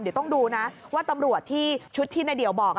เดี๋ยวต้องดูนะว่าตำรวจที่ชุดที่ในเดี่ยวบอก